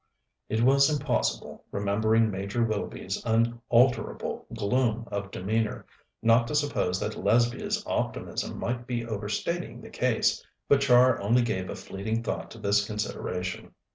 It was impossible, remembering Major Willoughby's unalterable gloom of demeanour, not to suppose that Lesbia's optimism might be overstating the case, but Char only gave a fleeting thought to this consideration.